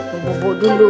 mumpuk mumpuk dulu